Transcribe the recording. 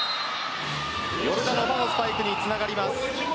ヨルダノバのスパイクにつながります。